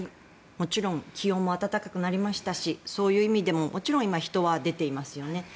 もちろん気温も暖かくなりましたしそういう意味でももちろん今、人は出ていますよね。